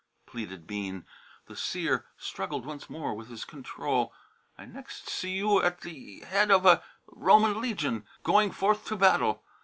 pleaded Bean. The seer struggled once more with his control. "I next see you at the head of a Roman legion, going forth to battle.